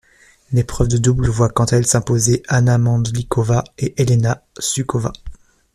L'épreuve de double voit quant à elle s'imposer Hana Mandlíková et Helena Suková.